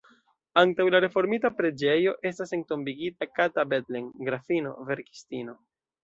Antaŭ la reformita preĝejo estas entombigita Kata Bethlen, grafino, verkistino.